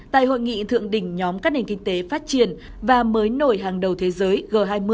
tại hội nghị thượng đỉnh nhóm các nền kinh tế phát triển và mới nổi hàng đầu thế giới g hai mươi